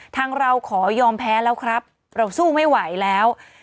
เราขอยอมแพ้แล้วครับเราสู้ไม่ไหวแล้ว